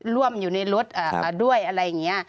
ร่วมอยู่ในรถด้วยอะไรอย่างนี้